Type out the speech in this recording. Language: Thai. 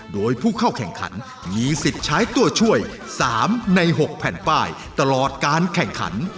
โดยผู้เข้าแข่งขันมีสิทธิ์ใช้ตัวช่วย๓ใน๖แผ่นป้ายตลอดการแข่งขัน